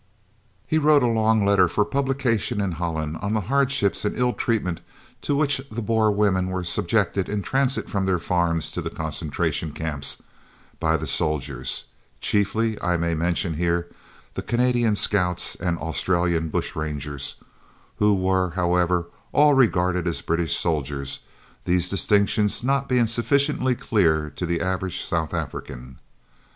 He wrote a long letter for publication in Holland on the hardships and ill treatment to which the Boer women were subjected in transit from their farms to the Concentration Camps, by the soldiers (chiefly, I may mention here, the Canadian Scouts and Australian Bushrangers, who were, however, all regarded as British soldiers, these distinctions not being sufficiently clear to the average South African).